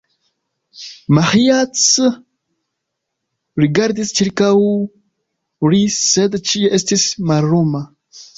Maĥiac rigardis ĉirkaŭ li, sed ĉie estis malluma.